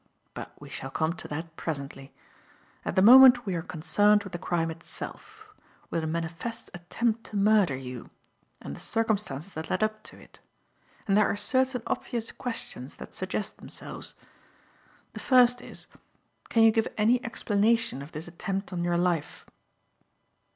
But we shall come to that presently. At the moment we are concerned with the crime itself with a manifest attempt to murder you and the circumstances that led up to it; and there are certain obvious questions that suggest themselves. The first is: Can you give any explanation of this attempt on your life?"